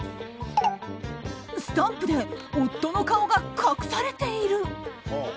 スタンプで夫の顔が隠されている。